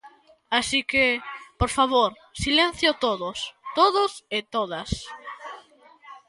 Así que, por favor, silencio todos, todos e todas.